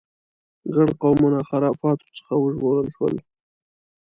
ګڼ قومونه خرافاتو څخه وژغورل شول.